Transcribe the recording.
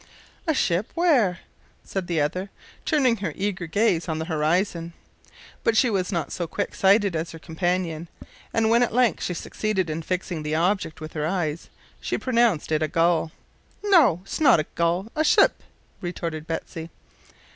"A ship where?" said the other, turning her eager gaze on the horizon. But she was not so quick sighted as her companion, and when at length she succeeded in fixing the object with her eyes, she pronounced it a gull. "No 'snot a gull a sip," retorted Betsy.